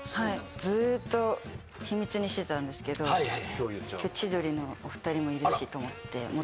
ずっと秘密にしてたんですけど千鳥のお二人もいるしと思って持ってきました。